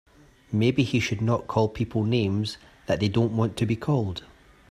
Maybe he should not call people names that they don't want to be called.